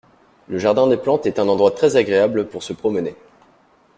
Le jardin des plantes est un endroit très agréable pour se promener.